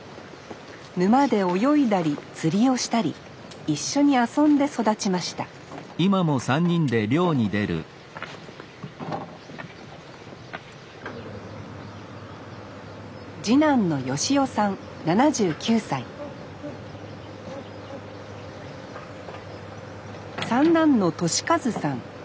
沼で泳いだり釣りをしたり一緒に遊んで育ちました次男の芳夫さん７９歳三男の利一さん